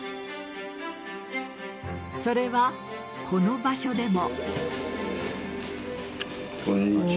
それは、この場所でも。